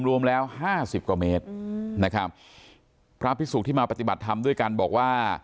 รวมแล้วห้าสิบกว่าเมตรนะครับพระพิสุที่มาปฏิบัติธรรมด้วยกันบอกว่า